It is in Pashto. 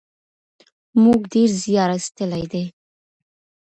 موږ ډېر زیار ایستلی دی.